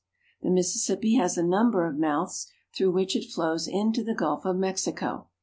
The Mississippi has a number of mouths through which it flows into the Gulf of Mexico.